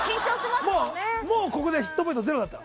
もうここでヒットポイント０になった。